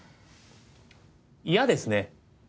嫌ですね。